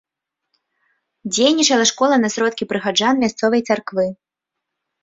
Дзейнічала школа на сродкі прыхаджан мясцовай царквы.